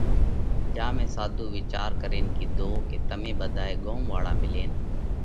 جيا ۾ ساڌُو ويچار ڪرين ڪيڌو ڪي تمي ٻڌائي ڳوم واۯا ملينَ